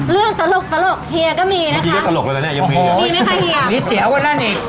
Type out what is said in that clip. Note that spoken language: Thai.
เรื่องตลกเหรียวก็มีนะครับ